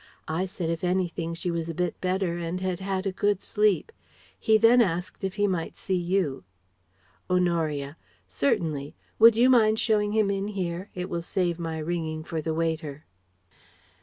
I said if anything she was a bit better and had had a good sleep. He then asked if he might see you." Honoria: "Certainly. Would you mind showing him in here? It will save my ringing for the waiter."